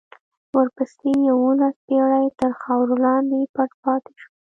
ورپسې یوولس پېړۍ تر خاورو لاندې پټ پاتې شو.